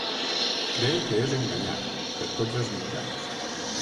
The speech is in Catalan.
Creu que és enganyat, per tots els mitjans.